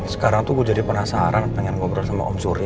sekarang tuh gue jadi penasaran pengen ngobrol sama om suri